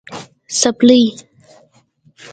🩴څپلۍ